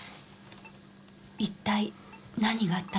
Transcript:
一体何があったの？